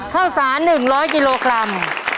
เท่าสาร๑๐๐กิโลกรัม